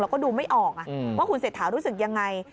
แล้วก็ดูไม่ออกว่าคุณเศรษฐารู้สึกยังไง